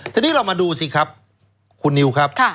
ทีนี้เรามาดูสิครับคุณนิวครับ